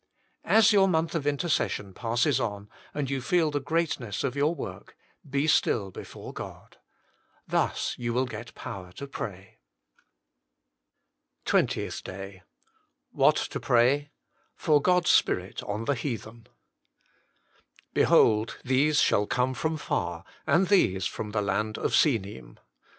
As your month of intercession passes on, and you feel the greatness of your work, be still before God. Thus you will get power to pray. SPECIAL PETITIONS PRAY WITHOUT CEASING TWENTIETH DAY WHAT TO PKAY. Jor o& a Spirit on ilje "Behold, these shall come from far; and these from the land of Sinim."